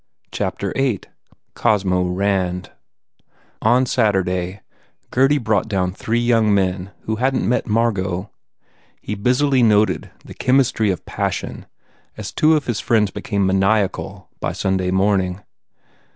191 VIII Cosmo Rand ON Saturday Gurdy brought* down three young men who hadn t met Margot. He busily noted the chemistry of passion as two of his friends became maniacal by Sunday morning.